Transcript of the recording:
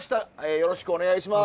よろしくお願いします。